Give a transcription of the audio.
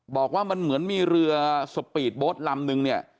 บอกว่ามันเหมือนมีเรือสปีดโบ๊ทลำนึงเนี่ย